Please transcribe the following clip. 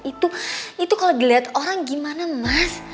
itu kalau dilihat orang gimana mas